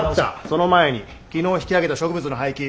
その前に昨日引き揚げた植物の廃棄。